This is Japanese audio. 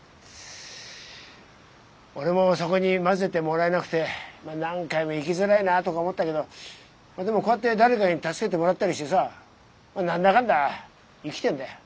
俺もそこに交ぜてもらえなくて何回も生きづらいなとか思ったけどでもこうやって誰かに助けてもらったりしてさ何だかんだ生きてんだよ。